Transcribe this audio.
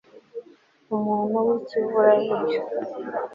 Umuntu wikiburaburyo